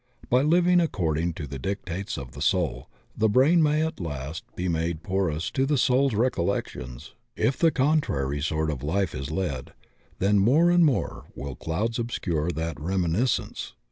By living according to the dictates of the soul the brain may at last be made porous to the soul's recol lections; if the contrary sort of a life is led, tiien more and more will clouds obscure that reminiscence.